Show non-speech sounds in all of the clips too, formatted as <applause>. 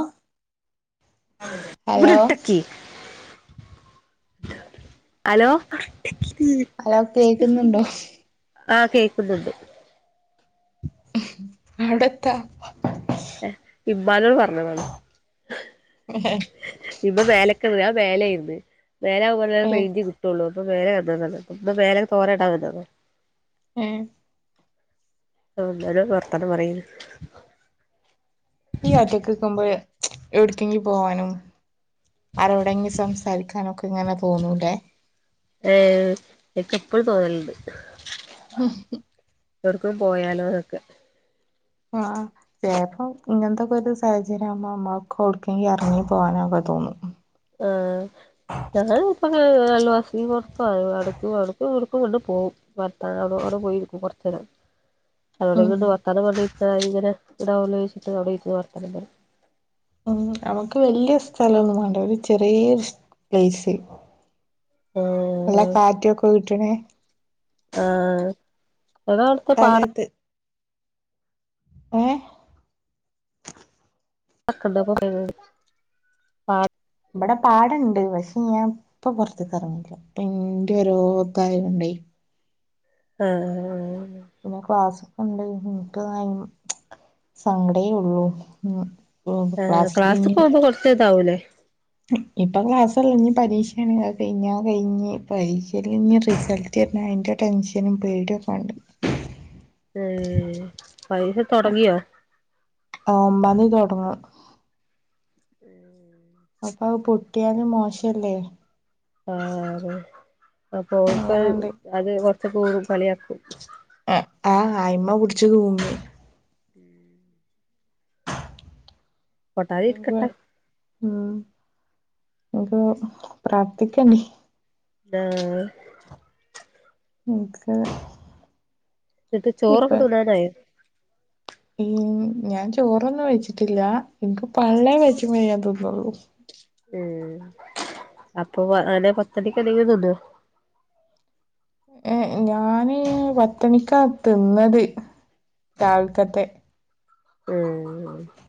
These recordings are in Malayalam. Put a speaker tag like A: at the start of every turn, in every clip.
A: ആഹ്
B: അവിടെട്ടക്കി ഹലോ.
A: ഹലോ കേക്കുന്നുണ്ടോ?
B: ആഹ് കേക്കുന്നുണ്ട്.
A: അവിടെ എത്ത
B: ഏഹ് ഇമ്മാനോട് പറഞ്ഞതാണ്. ഇപ്പൊ മേലേക്ക് വന്നു <unintelligible> കിട്ടുള്ളൂ അപ്പൊ മേലെ വന്നതാണ് പ്പോ മേലെ തോര ഇടാൻ വന്നതാണ്
A: ഏഹ്
B: ന്നാലും വർത്താനം പറി
A: ഈ ഒറ്റക്ക് നിൽക്കുമ്പോൾ എവിടക്കെങ്കി പോവാനും ആരോടെങ്കിലും സംസാരിക്കാനൊക്കെ ഇങ്ങനെ തോന്നൂല്ലേ
B: ഏഹ് എനിക്ക് എപ്പഴും തോന്നലുണ്ട്.
A: ഉ.....
B: എവ്ടക്കേലും പോയൊലോ ന്നൊക്കെ
A: ആഹ് ചെലപ്പോ ഇങ്ങൻത്തോക്കെ ഒരു സാഹചര്യം ആകുമ്പോ അമ്മക്ക് എവിടുക്കെങ്കിലും ഇറങ്ങി പോകാനൊക്കെ തോന്നും
B: ആഹ് <unintelligible> ഞാൻ അയൽവാസി ടെ അടുത്തോ അടക്കും അവുടുക്കും ഇവിടുക്കും അങ്ങനെ പോകും വർത്താനം <unintelligible> ആടെ പോയിരിക്കും കുറച്ച നേരം അവിടെ
A: ഉം
B: ഇന്ന് വർത്താനം പറഞ്ഞ് ഇ ഇങ്ങനെഇതാവല്ലോച്ചിട്ട് അവിടെ ഇരുന്ന് വർത്താനം പറയും
A: ഉമ് അവക്ക് വല്ല്യ സ്ഥലം ന്നും വേണ്ട ഒരു ചെറിയൊരു സ്‌പേസ് നല്ല
B: ആ
A: കാറ്റൊക്കെ കിട്ടണേ
B: ആഹ് അടുത്തെ പാടത്
A: സ്ഥലത്ത് ഏഹ്
B: ക്കണ്ട പോയത് പാടത്
A: വ്ടെ പാടണ്ട് പക്ഷെ ഞാൻ ഇപ്പൊ പുറത്തക്ക് ഇറങ്ങില്ല. <unintelligible>
B: ആഹ്
A: പിന്നെ ക്ലാസ്സ്‌ പോകണ്ട് എന്ക്ക്ന് സങ്കടെ ഉള്ളു ഉം ഉം
B: ആഹ് ക്ലാസ്
A: ക്ലാസ്സിലിനി
B: പോകുമ്പോ കൊറച്ച് ഇതാവൂല്ലേ
A: ഇപ്പൊ ക്ലാസ് <unintelligible> പരീക്ഷയണ കഴിഞ്ഞാ കഴിഞ്ഞ് പരീക്ഷയി ഇനി റിസ <unintelligible> അയിൻ്റെ ടെൻഷനും പേടിയൊക്കെണ്ട്
B: <unintelligible> തൊടങ്ങിയോ
A: <unintelligible>
B: <inaudible>
A: അപ്പ അഹ് പൊട്ടിയാല് മോശാല്ലേ അങ്ങനെണ്ട്
B: <unintelligible> കളിയാക്കും
A: ആഹ് അയ്മേ പുഡ്ച് തൂങ്ങും
B: <inaudible> പൊട്ടാതിരിക്കട്ടെ
A: <unintelligible> ഉം <unintelligible> പ്രാർത്ഥിക്കണേ
B: ആഹ്
A: <unintelligible>
B: <unintelligible> ചോറൊക്കെ <unintelligible>
A: ഉം ഞാൻ ചോറന്നും വെച്ചിട്ടില്ല എനിക്ക് <unintelligible>
B: ഉം അപ്പൊ <unintelligible>
A: യെ ഞാന് <unintelligible> തിന്നാത്
B: ഉം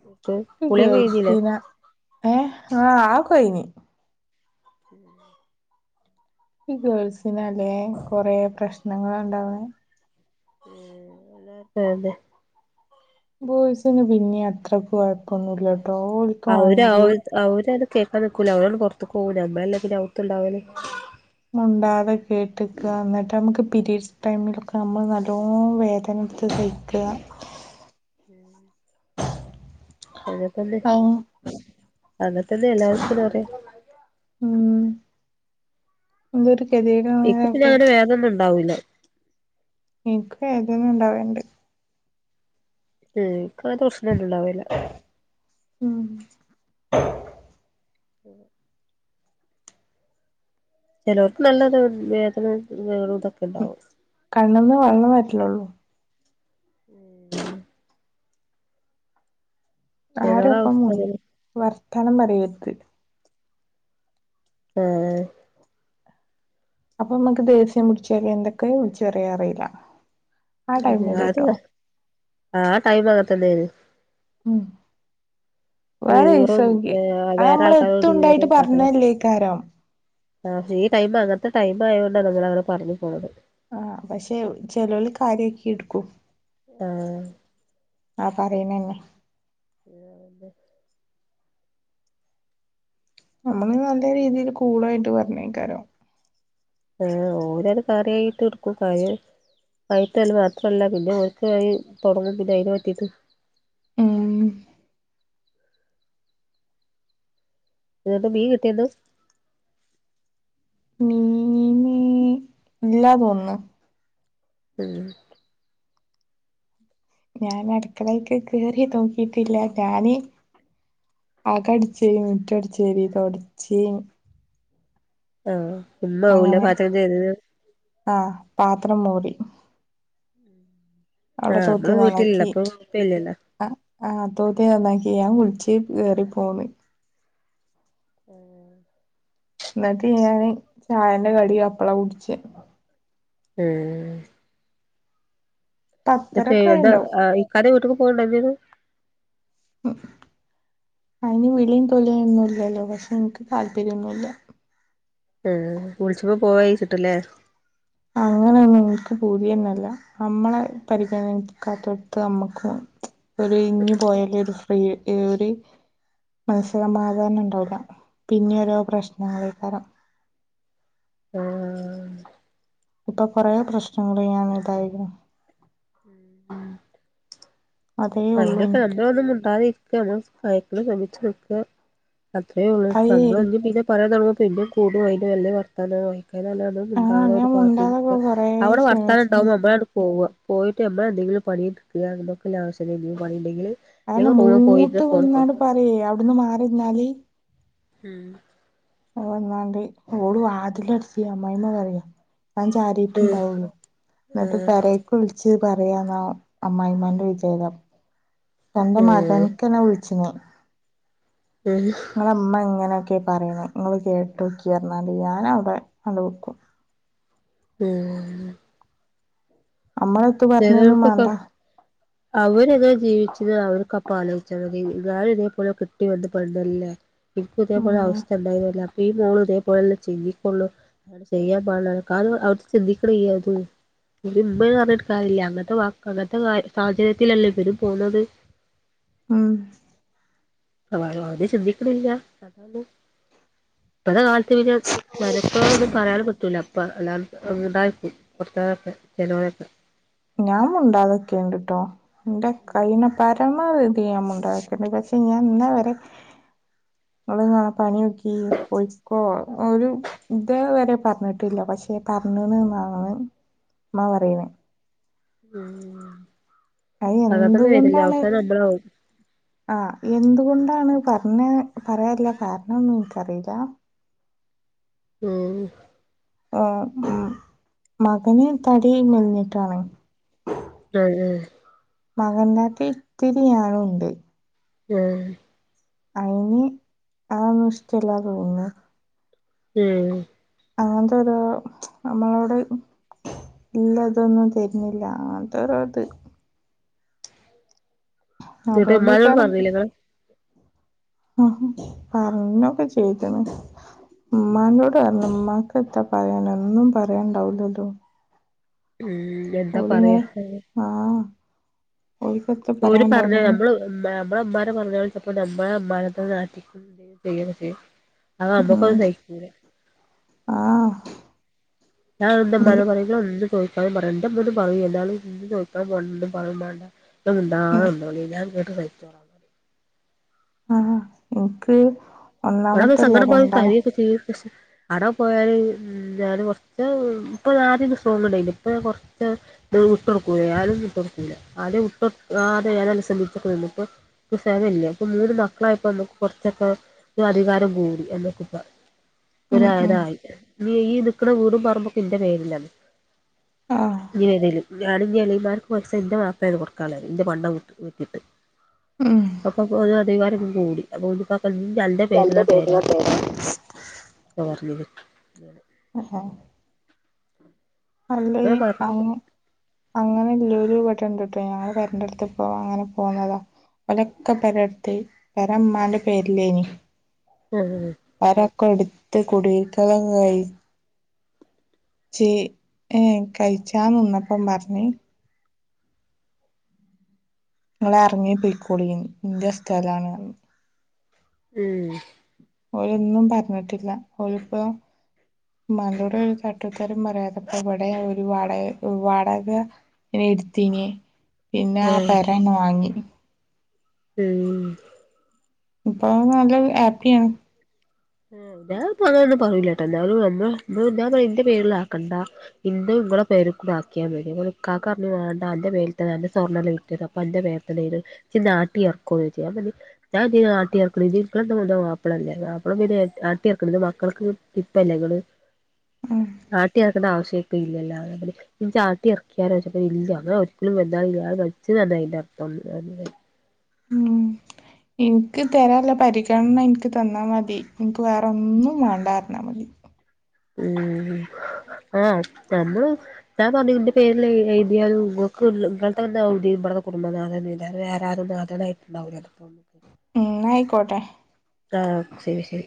B: <unintelligible> കഴിഞ്ഞില്ലേ
A: കേൾസിന ഏഹ് ആഹ് കഴ്ഞ്ഞ്
B: <inaudible>
A: ഈ ഗേൾസിനാല്ലേ കൊറേ പ്രശ്നങ്ങള് ഒണ്ടാവണേ
B: ഉം <unintelligible>
A: ബോയ്സിന് പിന്നിം അത്രക്ക് കൊഴപ്പൊന്നും ഇല്ല ട്ടോ ഓൽ
B: അവര് അവ അവരത് കേക്കാൻ നിക്കൂല്ലാ <unintelligible> പൊറത്തക്കേ പോകൂ ഞമ്മള് അല്ലേ പിന്നെ അകത്ത്ണ്ടാവല്
A: മുണ്ടാതെ കേട്ടിക്കാ എന്നിട്ട് നമ്മക്ക് പീരീഡ്സ് ടൈമിലൊക്കെ നമ്മള് നല്ലോണം വേദന എടുത്ത് സഹി ക്ക്യ്യ്യാ
B: അങ്ങന തന്നെ
A: ഔ
B: അങ്ങനാ തന്നെ <unintelligible>
A: ഉം എന്തോര് <unintelligible>
B: വേദനേ <unintelligible>
A: ഇൻക്കും വേദന ഒണ്ടാവേണ്ട്
B: <unintelligible> പ്രശ്നം ഇണ്ടാവില്ല്യാ
A: ഉം
B: ആഹ് ചെലർക്ക് നല്ലൊരു വേദനയും ഇതൊക്കെണ്ടാവും
A: കണ്ണന്ന് വെള്ളം <unintelligible> ഒള്ളു
B: <inaudible> ചിലരെ
A: ആരോപ്പം
B: അവസ്ഥ
A: ഉം
B: അങ്ങനെ
A: വർത്താനം പറിയർത്
B: ആഹ് ആഹ്
A: അപ്പൊമ്മക്ക് ദേഷ്യം പിടിച്ച് എന്തൊക്കെയ്യാ വിളിച്ച് പറയാ അറിയില്ല ആ ടൈമില് ട്ടോ
B: <unintelligible> ആഹ് ടൈം <unintelligible>
A: ഉം വേറെ <unintelligible>
B: ഈറും
A: അത്
B: വേറെ
A: നമ്മള്
B: ആൾക്കാരോട് ഈറും
A: എത്തുണ്ടായിട്ട്
B: കാട്ടലൊക്കെ
A: പറഞ്ഞല്ലേക്കാരം
B: <unintelligible> ടൈം അങ്ങനത്തെ ടൈം ആയതൊണ്ടാണ് നിങ്ങള് <unintelligible> പറഞ്ഞ് പോണത്
A: ആഹ് പക്ഷേ ചെലര് കാര്യാക്കി എട്ക്കൂം ആ പറയണന്നെ
B: ആഹ്
A: നമ്മള് നല്ല രീതില് കൂളായിട്ട് പറഞ്ഞേക്കാരം
B: ആഹ് ഓരാള് <unintelligible> എടുക്കുംകാരേ കയട്ടല് മാത്രല്ല പിന്നെ ഓൽക്അയി തുടങ്ങും പിന്നെ അയ്ന് പറ്റിയിട്ട്
A: ഉം
B: ഇന്നട്ട് മീ കിട്ട്യന്ന്
A: മീന് ഇല്ലാ തോന്ന്ണ്
B: ഉം
A: ഞാന് അടുക്കളക്ക് കേറി നോക്കിട്ടില്ല ഞാന് ആക അടിച്ചരി മുറ്റടിച്ചരി തുടച്ചി
B: ആഹ് ഉമ്മ ഉള്ളിൽ
A: അങ്ങനെ
B: പാത്രം തേക്കുന്നു.
A: ആഹ് പാത്രം മൂടി.
B: ആഹ്
A: തോത്തി
B: നമ്മള്
A: നന്നാക്കി
B: വീട്ടിലുള്ളപ്പോ. <unintelligible>
A: ആഹ് ആഹ് അതോത് നന്നാക്കി ഞാൻ വിളിച്ച് കേറി പോന്ന്.
B: ആഹ്
A: എന്നിട്ട് ഞാന് ചായന്റെ കടി അപ്പളാ കുടിച്ചേ.
B: ഉം എന്നിട്ട്
A: പത്തരൊക്കെ
B: ഏത് ഏഹ് ഈ അതെ വീട്ടിക്ക് പോവണ്ടേ തന്നെയാണ്.
A: ഉം അതിന് വിളിയും തൊലിയൊന്നുല്ലല്ലോ, പക്ഷെ എനിക്ക് താല്പര്യം ഒന്നുമില്ല.
B: ഉം വിളിച്ചപ്പോ പോവാനിരുന്നിട്ടല്ലേ.
A: അങ്ങനെ നിങ്ങൾക്ക് കൂനിയൻ മേലാ, നമ്മളെ പരിഗണിക്കത്തടുത്ത് നമുക്ക്. ഒരു ഇഞ്ഞു പോയാല് ഒരു ഫ്രീ ഒരു. മനസമാധാനം ഉണ്ടാവില്ല പിന്നെ ഓരോ പ്രശ്നങ്ങളേക്കാലും.
B: ആഹ്
A: ഇപ്പൊ കൊറെ പ്രശ്നങ്ങള് ഞാൻ ഇതായിരുന്നു.
B: ഉം
A: അതേ ഉള്ളൂ
B: വേണമെങ്കിൽ
A: എനിക്ക്
B: <unintelligible> ഒന്ന് മിണ്ടാതെ. ഒക്കെ നമ്മള് സൈക്കിൾ വേണ്ടിയിട്ട് ഒക്കെ, അത്രേ ഉള്ളൂ
A: അയേ
B: നമ്മള് എന്നും പിന്നെ. പറയാൻ തുടങ്ങിയാൽ പിന്നെ കൂടും അയിന്റെ വെല്ല്യ വർത്തനം വായിക്കാനാണോ? ഇത്
A: ആഹ്
B: മിണ്ടാതെ
A: ഞാൻ
B: അവരെ പാത്തുയിരിക്ക,
A: മുണ്ടാതൊക്കെ കൊറേ
B: അവിടെ വർത്താനം
A: ക്ഷമിച്ചിന്
B: ഉണ്ടാവുന്ന മുമ്പ് അങ്ങട് പോവുക. പോയിട്ട് ഉമ്മ എന്തെങ്കിലും പണിയെടുക്കുക എന്നൊക്കെുള്ള ആവശ്യം ഉണ്ടെങ്കിൽ ഇനിയും പണിയുണ്ടെങ്കില്.
A: അയിന് മൂത്ത് വന്നാല് പറയുവോ അവിടുന്ന് മാറി നിന്നാല്.
B: ഉം
A: അന്നെങ്ങാണ്ട് ഓള് വാതില് അടിക്കുക അമ്മായിയമ്മ പറയാ. മഴ
B: ഉം
A: ചാറിയിട്ടുണ്ടാവും, എന്നിട്ട്
B: ആഹ്
A: പെരേ വിളിച്ച് പറയാനോ അമ്മായിമ്മാന്റെ വിചാരം തന്റെ മകൻ.
B: ആഹ്
A: ഇക്ക എന്നെ വിളിച്ചു ഇന്ന്.
B: ഉം
A: ഞങ്ങടെ ഉമ്മ ഇങ്ങനെയൊക്കെ പറയണേ, നിങ്ങള് കേട്ട് നോക്കി എന്നാല് ഞാൻ അവിടെ അങ്ങ് വെക്കും.
B: ഉം
A: അമ്മ
B: ചെലർയൊക്കെ അവര് ഇത് ജീവിച്ചത് അവർക്കാപ്പം ആലോചിച്ചാൽ മതി, ഞാൻ ഇതേപോലെ ഒക്കെ കെട്ടിവന്നപ്പോൾ എന്തെല്ലാം. ഇപ്പൊ
A: ഉം
B: ഇതേപോലെ അവസ്ഥ ഉണ്ടാവൂല അപ്പൊ ഈ മോള് ഇതേപോലെ ചെയ്ക്കുള്ളൂ. അങ്ങനെ ചെയ്യാൻ പാടില്ല, കാരണം അവര് ചിന്തിക്കുന്നില്ല ഇപ്പൊ എന്നട്ട് ഉമ്മ അങ്ങോട്. ഉണ്ടാവില്ല, അങ്ങനത്തെ വാക്ക് അങ്ങനത്തെ സാ സാഹചര്യത്തിലല്ലേ ഇവര് പോന്നത്.
A: ഉം
B: അവരും അത് ചിന്തിക്കുന്നില്ല, അതാണ് ഇപ്പോഴത്തെ കാലത്ത് ഇങ്ങനെയാണ്. മഴക്കോളൊന്നും പറയാനും പറ്റൂല്ല അപ്പ അല്ല ഉണ്ടായിരിക്കും, അപ്പുറത്ത് ആൾക്കാരെ ചിലരൊക്കെ.
A: ഞാൻ മുണ്ടാതെ നിക്കുന്നുണ്ട് കേട്ടോ, എന്റെ കൈമേ തരി ക്ഷമ മതി മിണ്ടാതിരിക്കണം, പക്ഷെ ഞാൻ ഇന്നേവരെ. ഓള് ഇങ്ങനെ പണി നോക്കി പോയിക്കോ ഒരു. ഇത് വരെ പറഞ്ഞിട്ടില്ല പക്ഷെ പറഞ്ഞ്ന്ന് <unintelligible> ഉമ്മ പറയുന്നേ
B: മ്ഹ്
A: അയ് എന്തുകൊണ്ടാണ്
B: നമ്മളാവും
A: ആഹ് എന്തുകൊണ്ടാണ് പറഞ്ഞേ പറയാള്ള കാരണം ഒന്നും എനിക്കറിയില്ല
B: മ്ഹ്
A: ആഹ് ഉം മകന് തടി മെലിഞ്ഞിട്ടാണ്
B: ഏഹ് ഏഹ്
A: <unintelligible> ഇത്തിരി ആഴം ഉണ്ട്
B: ഉം
A: അയിന് അഒന്നും ഇഷ്ട്ടല്ല തോന്നുന്ന്
B: ഉം
A: അതെന്താ ഒരു അമ്മള അവിടേം ഇല്ലതൊന്നും തരുന്നില്ല അങ്ങനത്തെ ഒരത്
B: എന്നിട്ട് ഇമ്മാനോട്
A: അതുകൊണ്ടേക്കാരം
B: പറഞ്ഞില്ല നിങ്ങള്
A: ആഹ് പറഞ്ഞൊക്കെ ചെയ്ട്ടന്ന് ഉമ്മൻ്റോടെ പറഞ്ഞ് ഉമ്മാക്ക് എത്താ പറയാന ഒന്നും പറയാനണ്ടാവലല്ലോ
B: മ്ഹ്
A: ഓഴിങ്ങനെ ആഹ് ഒഴിപ്പോ എത്ര
B: ഓര് പറഞ്ഞ നമ്മള് <unintelligible> നമ്മള ഉമ്മാന പള്ളു വിളിച്ചപ്പോ നമ്മള <unintelligible> അത്
A: ഉം
B: അമ്മക്കത് സഹിക്കൂല
A: ആഹ്
B: ഞാൻ എന്റെ ഉമ്മാനെ പറയുമ്പ എന്ത് ചോദിച്ചാലും പറയും എന്റെ ഉമ്മ ഒന്നും <unintelligible> എന്നാലും നീ ചോദിയ്ക്കാൻ പോണന്നെന്നും പറയും വേണ്ട <unintelligible> മിണ്ടാതെ
A: ഉം
B: നിന്നോളീം ഞാൻ കേട്ട് സഹിച്ചോളാം
A: ആഹ് എനിക്ക്
B: ബടേ വന്ന് സങ്കടം പറഞ്ഞ് കരയൊക്കെ ചെയും ക്ഷേ ആടെ പോയാല് ഞാന് കൊറച്ച് ഇപ്പം ഞാൻ അദ്യൊന്നും ഫോൺ കൊണ്ട് പോയില്ലേ ഇപ്പോ കൊറച്ച് വിട്ട് കൊടുക്കൂല ഞാനും വിട്ട് കൊടുക്കൂല്ല അതെ വിട്ട് അതേ ഞാന് ശ്രധിച്ചക്കെ നിന്ന് ഇപ്പൊ ക്ഷെ അതില്ലേ അപ്പൊ മൂന്ന് മക്കളായപ്പോ നമുക്ക് കുറച്ചൊക്കെ <unintelligible> അധികാരം കൂടി ഞങ്ങക്കിപ്പ
A: ഉം ഉം
B: <unintelligible> ഇന്ന് ഈ നിക്കണ വീടും പറമ്പൊക്കെ എന്റെ പേരിലാണ്
A: ആഹ്
B: ഇനി <unintelligible> ഞാനും ഇനി എളേമാർക്ക് <unintelligible> എന്റെ മാപ്പെളേന് കൊടുക്കാള്ളത് എന്റെ പണ്ടം വിറ്റി വിറ്റിട്ട്
A: ഉം
B: അപ്പം അപ്പൊ അതും അധികാരം കൂടി അതുകൊണ്ട് ഉപ്പാക്ക് നല്ലഎൻ്റെ
A: രണ്ട്
B: പേരില് തരാം
A: പേരുകൾ
B: പ്പ പറഞ്ഞത് അങ്ങനെ
A: ഹ അപ്പൊ അതില് ഈ
B: അങ്ങനെ പറഞ്ഞു
A: <unintelligible> അങ്ങനെ ഇല്ലോരു ഇവടെ ഇണ്ട് കേട്ടോ ഞങ്ങള് വരണ്ടടുത്തു പോവാം അങ്ങനെ പോന്നതാ ഓരൊക്കെ പലേടുത്ത് ഓരെ ഉമ്മാന്റെ പേരില്ലേനി
B: <unintelligible>
A: അരക്കൊ എടുത്ത് <unintelligible> ചേ ഏഹ് കഴിച്ചാൻ നിന്നപ്പം പറഞ്ഞു നിങ്ങളെ എറങ്ങി പോയിക്കോളി ഇൻ്റെ സ്ഥലാണ് പറഞ്ഞ്
B: ഉം
A: ഓരൊന്നും പറഞ്ഞിട്ടില്ല ഓരിപ്പോ മലടെ ഒരു തട്ടുത്തരും പറയാതെപ്പ ഇവിടെ ഒരു വാടക വാടക <unintelligible> എടുത്തീനിയേ പിന്നെ ആ
B: ആഹ്
A: പെര അങ്ങ് വാങ്ങി
B: മ്ഹ്
A: ഇപ്പ അവൻ നല്ല ഒരു ഹാപ്പിയാണ്
B: ആഹ് ഞാൻ ഇപ്പ അങ്ങനെ ഒന്നും പറയൂല ട്ട എന്നാലും നമ്മ <unintelligible> ഞാൻ പറയും എന്റെ പേരില് ആക്കണ്ട ഇന്ത് ഇങ്ങള പേരി കൂടെ ആക്കിയാന്ന് ഓര് അങ്ങനെ ഇക്കാക്ക പറഞ്ഞു വേണ്ടാ അന്റെ പേരിൽ തന്നെ അന്റെ സ്വർണ്ണല്ലേ അപ്പൊ അന്റെ <unintelligible> ഇച്ച് നാട്ടി ഓക്ക വരാ ഞാ പറഞ്ഞ ഞാന്തിനാ നാട്ടി <unintelligible> ജ്ജ് ഇപ്പള ഓൻ്റെ മാപ്പ്ളല്ലേ പിന്നെ ആട്ടിയർക്ക്ന്ന് മക്കൾക്ക് ഇപ്പല്ലെ ഇങ്ങള്
A: ഉം
B: ആട്ടി എറക്കണ്ട ആവശ്യപ്പില്ലല്ലോ ഇൻച്ചാട്ടി എറക്കിയച്ചേപ്പാ ഇല്ല അങ്ങ ഒരിക്കലും എന്താലും <unintelligible> അയിൻ്റെ അർത്ഥം
A: ഉം ഇൻക്ക് തരാനുള്ള പരിഗണന ഇൻക്ക് തന്നാ മതി. ഇൻക്ക് വേറെന്നും വേണ്ടന്നർഞ്ഞാമതി.
B: ഉമ് ആഹ് തന്നു ഞാൻ പറഞ്ഞു ഇന്റെ പേരിൽ എയ്തിയാലും ഇങ്ങക്ക്ള്ള ഇങ്ങൾതന്ന <unintelligible> ഇബടെ കുടുംബനാഥൻ ല്ലാതെ വേറെ ആരുല്ല <unintelligible>
A: ഉം ന്നായിക്കോട്ടെ.
B: ആഹ് ശരി ശരി